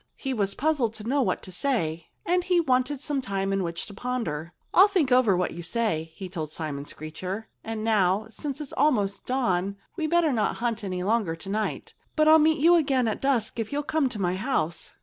He was puzzled to know what to say. And he wanted time in which to ponder. "I'll think over what you say," he told Simon Screecher. "And now, since it's almost dawn, we'd better not hunt any longer to night. But I'll meet you again at dusk if you'll come to my house."